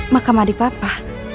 makam adik papa